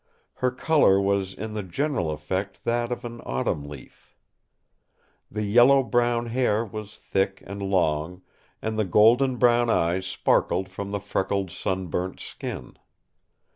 Her colour was in the general effect that of an autumn leaf. The yellow brown hair was thick and long, and the golden brown eyes sparkled from the freckled, sunburnt skin.